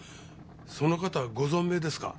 その方ご存命ですか？